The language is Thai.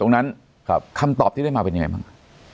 คำตอบที่ได้มาเป็นยังไงบ้าง